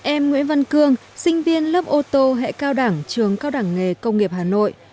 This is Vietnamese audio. em nguyễn văn cương sinh viên lớp ô tô hệ cao đẳng trường cao đẳng nghề công nghiệp hà nội